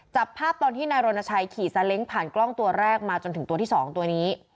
จับภาพตอนที่นายรณชัยขี่ซาเล้งผ่านกล้องตัวแรกมาจนถึงตัวที่๒ตัวนี้